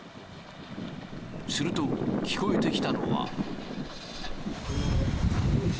すると、聞こえてきたのは。